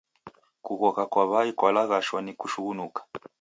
Kughoka kwa w'ai kwalaghashwa ni kushughunuka.